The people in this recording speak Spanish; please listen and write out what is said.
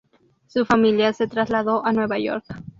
Su familia se trasladó a Nueva York.